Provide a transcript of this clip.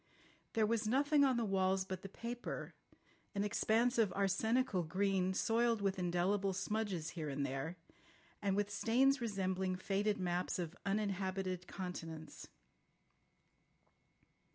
There was nothing on the walls but the paper, an expanse of arsenical green, soiled with indelible smudges here and there, and with stains resembling faded maps of uninhabited continents.